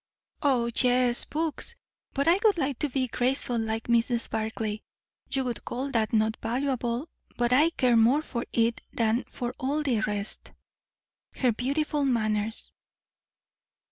"O, yes, books But I would like to be graceful like Mrs. Barclay. You would call that not valuable; but I care more for it than for all the rest. Her beautiful manners."